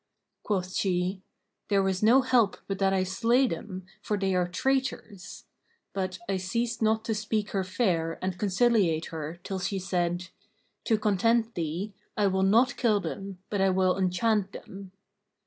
Quoth she, 'There is no help but that I slay them, for they are traitors.' But I ceased not to speak her fair and conciliate her till she said, 'To content thee, I will not kill them, but I will enchant them.'